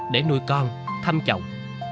để nuôi con thăm chồng